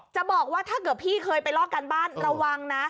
จะบอกว่าถ้าเกิดพี่เคยไปลอกการบ้านระวังนะ